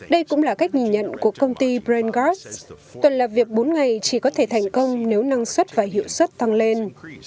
đây cũng là cách nhìn nhận của công ty brangord tuần làm việc bốn ngày chỉ có thể thành công nếu năng suất và hiệu suất tăng lên